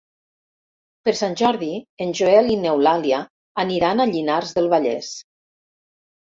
Per Sant Jordi en Joel i n'Eulàlia aniran a Llinars del Vallès.